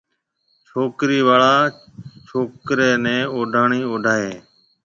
ڇوڪرَي آݪا ڇوڪرَي نيَ اوڊوڻِي اوڊائيَ ھيَََ